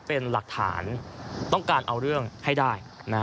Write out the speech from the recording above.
เป็นหลักฐานต้องการเอาเรื่องให้ได้